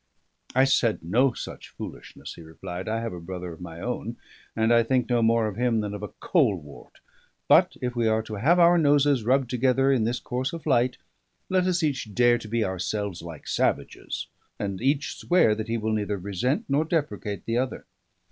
"I said no such foolishness," he replied. "I have a brother of my own, and I think no more of him than of a colewort. But if we are to have our noses rubbed together in this course of flight, let us each dare to be ourselves like savages, and each swear that he will neither resent nor deprecate the other.